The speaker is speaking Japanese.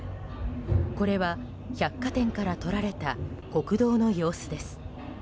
これは、百貨店から撮られた国道の様子です。